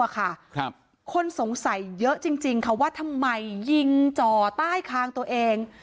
คนสงสัยเยอะจริงค่ะว่าทำไมยิงจ่อใต้คางตัวเอง